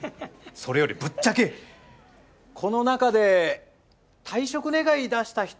それよりぶっちゃけこの中で退職願出した人ってだあれ？